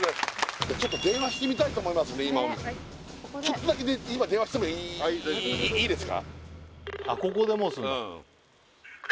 ちょっと電話してみたいと思いますんでちょっとだけ今電話してもいいですか？